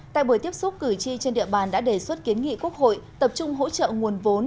tại buổi tiếp xúc cử tri trên địa bàn đã đề xuất kiến nghị quốc hội tập trung hỗ trợ nguồn vốn